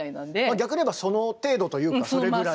逆に言えばその程度というかそれぐらい。